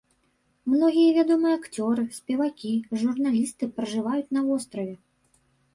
Многія вядомыя акцёры, спевакі, журналісты пражываюць на востраве.